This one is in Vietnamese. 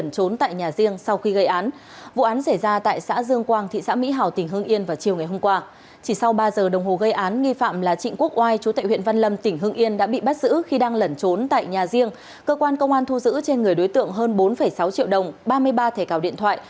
cơ quan công an thu giữ trên người đối tượng hơn bốn sáu triệu đồng ba mươi ba thẻ cào điện thoại